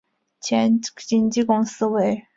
前经纪公司为。